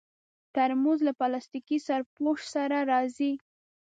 ترموز له پلاستيکي سرپوښ سره راځي.